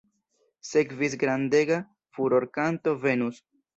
Sekvis grandega furorkanto "Venus".